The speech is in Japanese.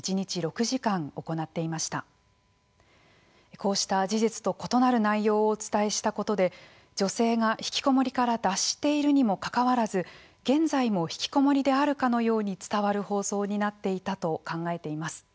こうした事実と異なる内容をお伝えしたことで女性がひきこもりから脱しているにもかかわらず現在も、ひきこもりであるかのように伝わる放送になっていたと考えています。